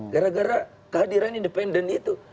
gara gara kehadiran independen itu